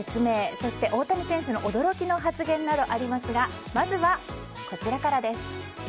そして、大谷選手の驚きの発言などありますがまずは、こちらからです。